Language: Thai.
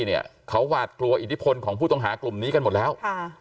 เนี่ยเขาหวาดกลัวอิทธิพลของผู้ต้องหากลุ่มนี้กันหมดแล้ว